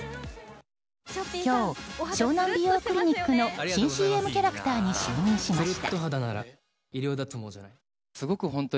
今日、湘南美容クリニックの新ＣＭキャラクターに就任しました。